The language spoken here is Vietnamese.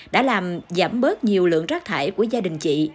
đã làm giảm bớt nhiều lượng rác thải của gia đình chị